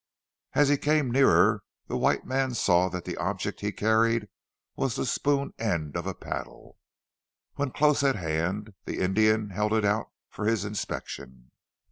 As he came nearer, the white man saw that the object he carried was the spoon end of a paddle. When close at hand the Indian held it out for his inspection.